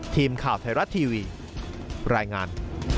ทีมข่าวไทยรัฐทีวีรายงาน